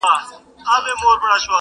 چي د تاج دي سو دښمن مرګ یې روا دی،